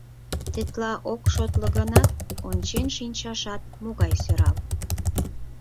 Тетла ок шотло гынат, ончен шинчашат могай сӧрал.